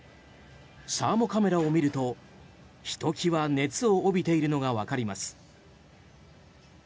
サーモカメラを見るとひときわ熱を帯びているのがわかります。